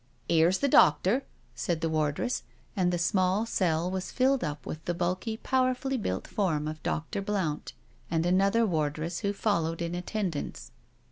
" Here's the doctor," said the wardress, and the small cell was filled up with the bulky, powerfully built form of Dr. Blount and another wardress who followed in attendance.